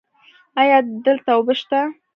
ایا دلته اوبه شته؟